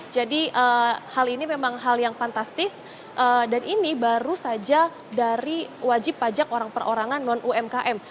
jadi hal ini memang hal yang fantastis dan ini baru saja dari wajib pajak orang per orangan non umkm